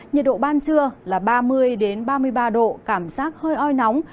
nhiệt độ ban trưa là ba mươi ba mươi ba độ cảm giác hơi oi nóng